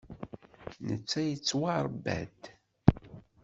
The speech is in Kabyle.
Netta yettwaṛebba-d.